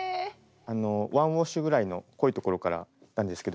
ワンウォッシュぐらいの濃い所からなんですけど。